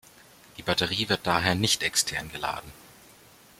Die Batterie wird daher nicht extern geladen.